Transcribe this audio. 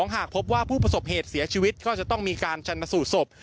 หากพบว่าผู้ประสบเหตุเสียชีวิตก็จะต้องมีการชันสูตรศพ